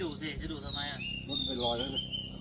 ตาไปหาหมอแล้วไปเร็ว